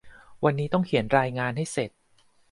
วันนี้ต้องเขียนรายงานให้เสร็จ